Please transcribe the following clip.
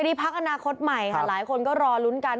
พักอนาคตใหม่ค่ะหลายคนก็รอลุ้นกัน